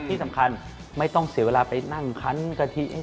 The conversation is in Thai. ที่สำคัญไม่ต้องเสียเวลาไปนั่งคันกะทิเอง